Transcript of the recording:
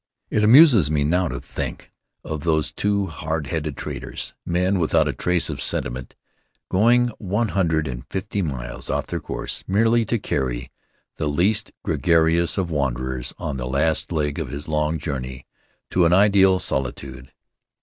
It amuses me now to think of those two hard headed traders, men without a trace of sentiment, going one hundred and fifty miles off their course merely to carry the least gregarious of wanderers on the last leg of his long journey to an ideal solitude.